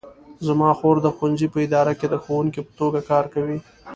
زما خور د ښوونځي په اداره کې د ښوونکې په توګه کار کوي